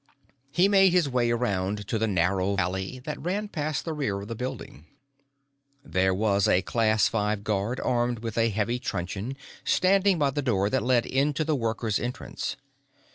He made his way around to the narrow alley that ran past the rear of the building. There was a Class Five guard armed with a heavy truncheon, standing by the door that led into the workers entrance.